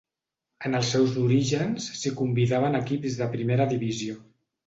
En els seus orígens s'hi convidaven equips de Primera Divisió.